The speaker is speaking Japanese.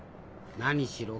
何しろ